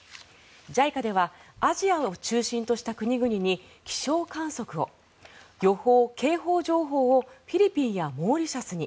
ＪＩＣＡではアジアを中心とした国々に気象観測を予報・警報情報をフィリピンやモーリシャスに。